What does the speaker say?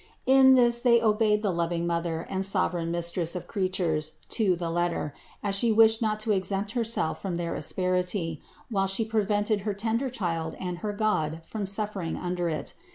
In this they obeyed the Loving Mother and sovereign Mistress of creatures to the letter, as She wished not to exempt Herself from their asperity while She prevented her tender Child and her God from suffering under it.